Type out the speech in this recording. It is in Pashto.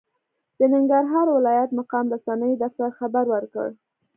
د ننګرهار ولايت مقام رسنیو دفتر خبر ورکړ،